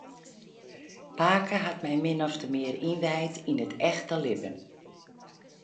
Pake hat my min ofte mear ynwijd yn it echte libben.